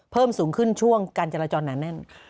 เพิ่มสูงขึ้นช่วงการจราจรหนาแน่น